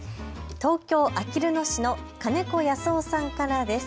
東京あきる野市の金子保男さんからです。